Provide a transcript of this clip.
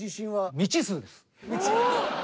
未知数。